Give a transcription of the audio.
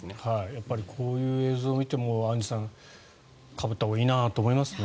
やっぱりこういう映像を見てもアンジュさん、かぶったほうがいいなと思いますね。